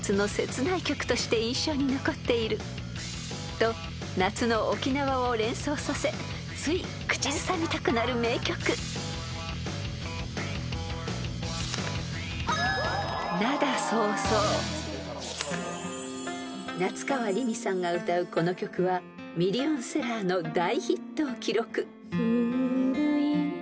［と夏の沖縄を連想させつい口ずさみたくなる名曲］［夏川りみさんが歌うこの曲はミリオンセラーの大ヒットを記録］